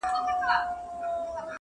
o پر خره سپور، خر ځني ورک!